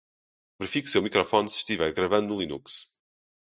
Verifique seu microfone se estiver gravando no Linux